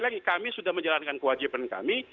lagi kami sudah menjalankan kewajiban kami